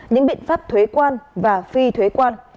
những biện pháp thuế quan và phi thuế quan